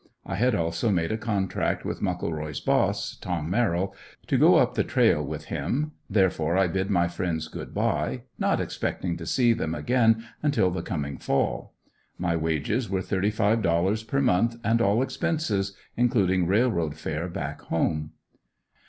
I had also made a contract with Muckleroy's boss, Tom Merril, to go up the trail with him, therefore I bid my friends good bye, not expecting to see them again until the coming fall. My wages were thirty five dollars per month and all expenses, including railroad fare back home.